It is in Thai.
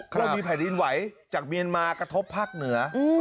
เรามีแผ่นดินไหวจากเมียนมากระทบภาคเหนือ